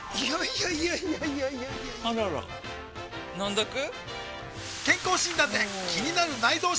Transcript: いやいやいやいやあらら飲んどく？